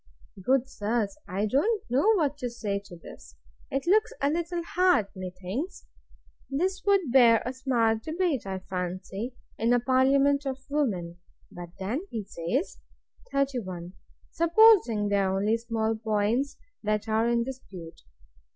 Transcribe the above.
Good sirs! I don't know what to say to this! It looks a little hard, methinks! This would bear a smart debate, I fancy, in a parliament of women. But then he says, 31. Supposing they are only small points that are in dispute.